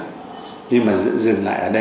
nhưng mà dựa dừng lại ở đây